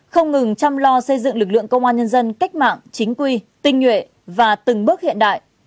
không ngừng chăm lo xây dựng lực lượng công an nhân dân cách mạng chính quy tinh nhuệ và từng bước hiện đại